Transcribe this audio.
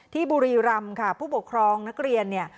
บุรีรำค่ะผู้ปกครองนักเรียนเนี่ย